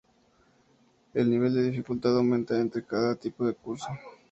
El nivel de dificultad aumenta entre cada tipo de curso.